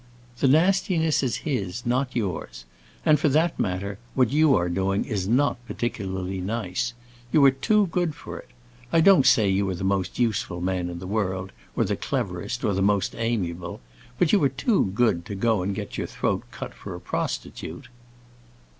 "The nastiness is his—not yours. And for that matter, what you are doing is not particularly nice. You are too good for it. I don't say you are the most useful man in the world, or the cleverest, or the most amiable. But you are too good to go and get your throat cut for a prostitute."